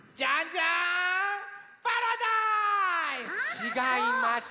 ちがいます。